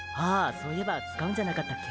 そういえば使うんじゃなかったっけ？